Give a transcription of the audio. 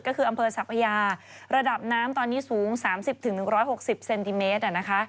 ก็คืออำเภอสัพพยาระดับน้ำตอนนี้สูง๓๐๑๖๐เซนติเมตร